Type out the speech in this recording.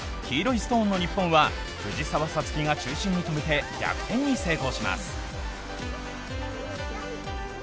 黄色いストーンの日本は藤澤五月が中心に止めて逆転に成功します。